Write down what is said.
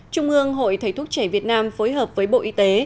trung ương hội thầy thuốc trẻ việt nam phối hợp với bộ y tế